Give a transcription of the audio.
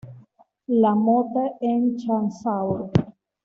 La Motte-en-Champsaur